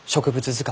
図鑑？